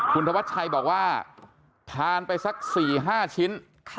คุณธวัดชัยบอกว่าทานไปสักสี่ห้าชิ้น